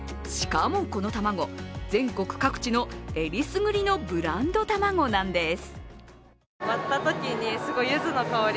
しかも、この卵、全国各地の選りすぐりのブランド卵なんです。